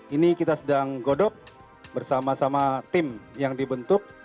ini kita sedang godok bersama sama tim yang dibentuk